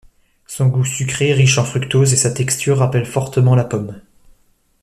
Son goût sucré riche en fructose et sa texture rappelle fortement la pomme.